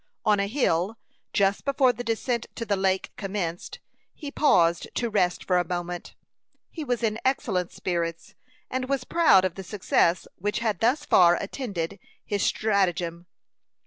On a hill, just before the descent to the lake commenced, he paused to rest for a moment. He was in excellent spirits, and was proud of the success which had thus far attended his stratagem.